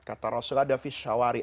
kata rasulullah ada fisyawari